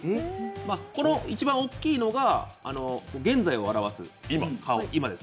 一番大きいのが現在を表す顔、今です。